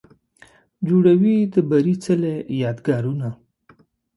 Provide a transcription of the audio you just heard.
جوړوي د بري څلې، یادګارونه